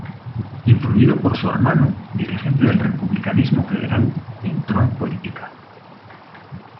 Influido por su hermano, dirigente del republicanismo federal, entró en política.